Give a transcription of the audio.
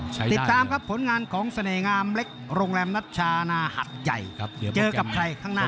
ติดตามครับผลงานของเสน่หงามเล็กโรงแรมนัชชานาหัดใหญ่เจอกับใครข้างหน้า